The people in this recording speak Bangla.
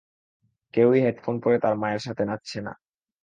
কেউই হেডফোন পরে তার মায়ের সাথে নাচছে না।